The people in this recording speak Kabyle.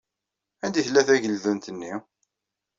Anda ay tella tgeldunt-nni?